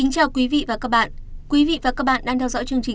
cảm ơn các bạn đã theo dõi